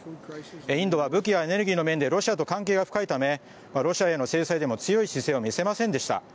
インドは軍事やエネルギーの分野でロシアと関係が深いためロシアへの制裁でも強い姿勢を見せませんでした。